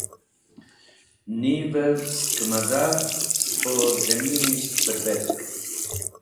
nivev skẽ maza spo zẽmanisht pẽrvetk.